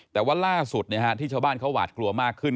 แต่ว่าล่าสุดที่ชาวบ้านเขาหวาดกลัวมากขึ้น